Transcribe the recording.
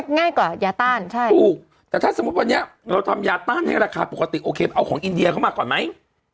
ง่ายกว่ายาต้านใช่ถูกแต่ถ้าสมมุติวันนี้เราทำยาต้านให้ราคาปกติโอเคเอาของอินเดียเข้ามาก่อนไหม